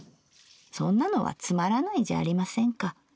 そんなのはつまらないじゃありませんか。